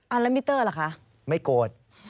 อ่าแล้วมิเตอร์ล่ะคะไม่โกรธ